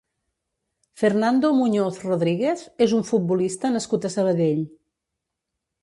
Fernando Muñoz Rodríguez és un futbolista nascut a Sabadell.